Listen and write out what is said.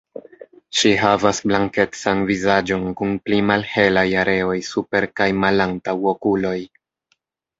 Ŝi havas blankecan vizaĝon kun pli malhelaj areoj super kaj malantaŭ okuloj.